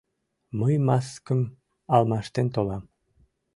Мый маскым алмаштен толам!